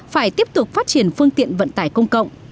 phải tiếp tục phát triển phương tiện vận tải công cộng